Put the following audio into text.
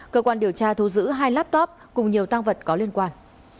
cơ quan điều tra thu giữ hai laptop cùng nhiều tăng vật có liên quan